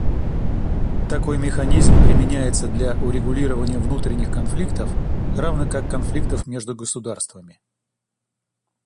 Такой механизм применяется для урегулирования внутренних конфликтов, равно как конфликтов между государствами.